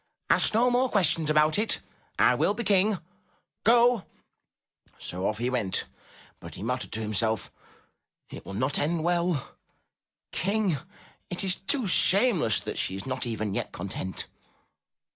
'' Ask no more questions about it ! I will be King. Go !" So off he went but he muttered to himself, ''It will not end well! King! It is too shameless that she is not even yet content."